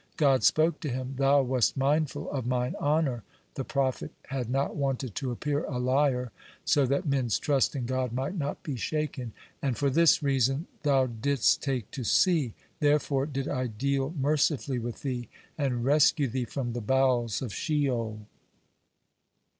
God spoke to him: "Thou wast mindful of Mine honor," the prophet had not wanted to appear a liar, so that men's trust in God might not be shaken "and for this reason thou didst take to sea. Therefore did I deal mercifully with thee, and rescue thee from the bowels of Sheol."